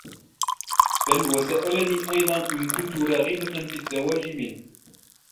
بل و سألني أيضا إن كنت راغبة في الزّواج منه.